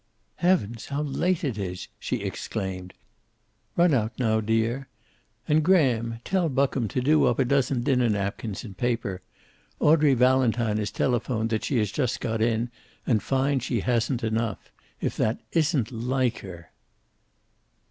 "Heavens, how late it is!" she exclaimed. "Run out now, dear. And, Graham, tell Buckham to do up a dozen dinner napkins in paper. Audrey Valentine has telephoned that she has just got in, and finds she hasn't enough. If that isn't like her!"